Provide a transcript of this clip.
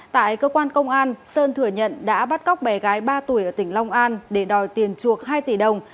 tại cơ quan công an sơn thừa nhận đã bắt cóc bé gái ba tuổi ở tỉnh long an để đòi tiền chuộc hai tỷ đồng